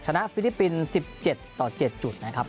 ฟิลิปปินส์๑๗ต่อ๗จุดนะครับ